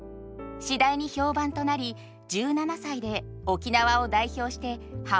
次第に評判となり１７歳で沖縄を代表してハワイ公演に。